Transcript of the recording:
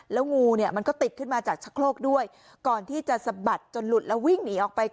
แล้วงูเนี่ยมันก็ติดขึ้นมาจากชะโครกด้วยก่อนที่จะสะบัดจนหลุดแล้ววิ่งหนีออกไป